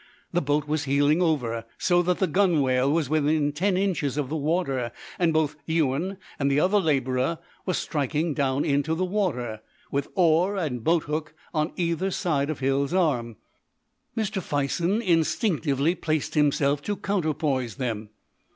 The boat was heeling over, so that the gunwale was within ten inches of the water, and both Ewan and the other labourer were striking down into the water, with oar and boathook, on either side of Hill's arm. Mr. Fison instinctively placed himself to counterpoise them.